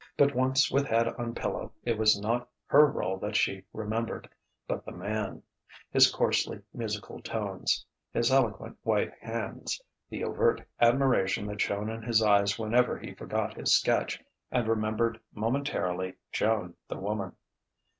But once with head on pillow, it was not her rôle that she remembered, but the man: his coarsely musical tones, his eloquent white hands, the overt admiration that shone in his eyes whenever he forgot his sketch and remembered momentarily Joan the woman.